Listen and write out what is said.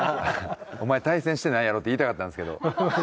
お前対戦してないやろって言いたかったんですけど。